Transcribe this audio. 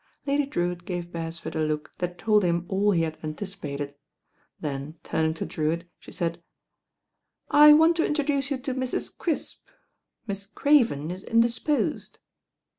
.. L»fy I^^witt gave Beresford a look that told him all he had anticipated; then, turning to Drewitt, she said, "I want to introduce you to Mrs. Crisp; Miss Craven is indisposed."